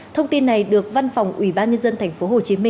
thông tin này được văn phòng ủy ban nhân dân tp hcm